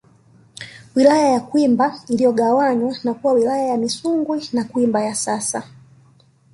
Wilaya ya Kwimba iligawanywa na kuwa Wilaya ya Misungwi na Kwimba ya sasa